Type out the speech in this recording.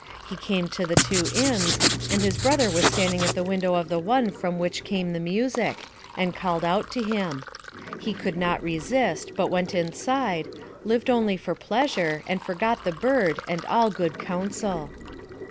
He came to the two inns; and his brother was standing at the window of the one from which came the music, and called out to him. He could not resist, but went inside, lived only for pleasure and forgot the bird and all good counsel.